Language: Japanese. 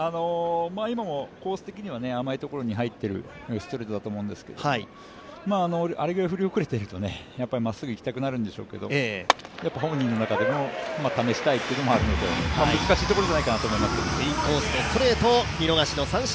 今のもコース的には甘いところに入っているストレートだと思いますけどあれぐらい振り遅れていると、まっすぐいきたくなるんでしょうけど本人の中でも試したいというところもあるので、難しいところではあると思います。